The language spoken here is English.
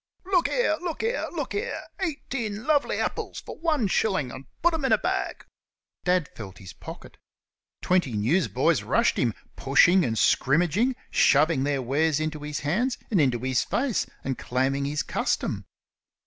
"Look here! look here! look here! Eighteen lovely epples fer wan shellen', and put 'em in a baag!" Dad felt his pocket. Twenty newsboys rushed him, pushing and scrimmaging, shoving their wares into his hands and into his face, and claiming his custom.